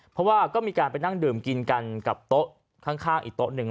เพราะว่าก็มีการไปนั่งดื่มกินกันกับโต๊ะข้างอีกโต๊ะหนึ่ง